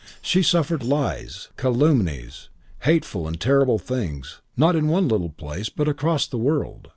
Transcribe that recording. She suffered lies, calumnies, hateful and terrible things not in one little place but across the world.